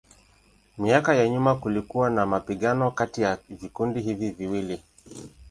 Miaka ya nyuma kulikuwa na mapigano kati ya vikundi hivi viwili.